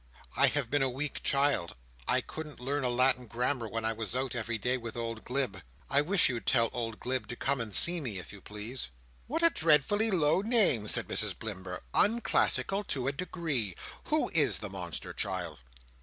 I have been a weak child. I couldn't learn a Latin Grammar when I was out, every day, with old Glubb. I wish you'd tell old Glubb to come and see me, if you please." "What a dreadfully low name" said Mrs Blimber. "Unclassical to a degree! Who is the monster, child?"